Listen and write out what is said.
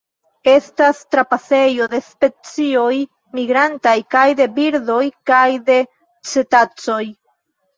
Estas trapasejo de specioj migrantaj kaj de birdoj kaj de cetacoj.